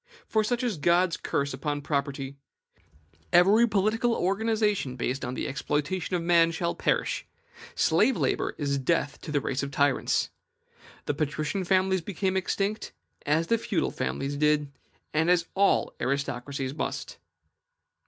For such is God's curse upon property; every political organization based upon the exploitation of man, shall perish: slave labor is death to the race of tyrants. The patrician families became extinct, as the feudal families did, and as all aristocracies must.